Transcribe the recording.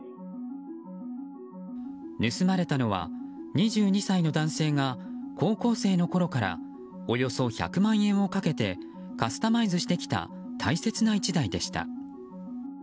盗まれたのは２２歳の男性が高校生のころからおよそ１００万円をかけてカスタマイズしてきた大切な１台でした。